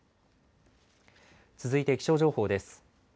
続いて気象情報です。